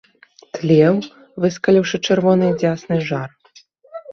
Тлеў, выскаліўшы чырвоныя дзясны, жар.